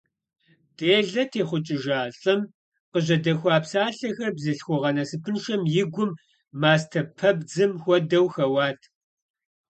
Делэ техъукӏыжа лӏым къыжьэдэхуа псалъэхэр бзылъхугъэ насыпыншэм и гум, мастэпэбдзым хуэдэу, хэуат.